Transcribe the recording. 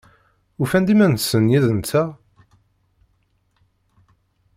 Ufan iman-nsen yid-nteɣ?